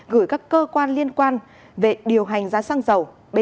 gửi các cơ quan liên quan về điều hành giá xăng dầu